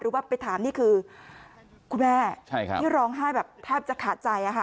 ว่าไปถามนี่คือคุณแม่ที่ร้องไห้แบบแทบจะขาดใจ